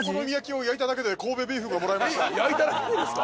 焼いただけですか？